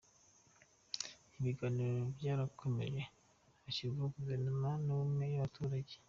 Ibiganiro byarakomeje hashyirwaho guverinoma y’ubumwe bw’abaturage.